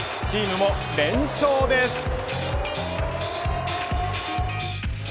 チームも連勝です。